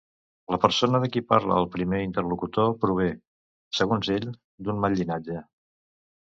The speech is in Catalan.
La persona de qui parla el primer interlocutor prové, segons ell, d'un mal llinatge?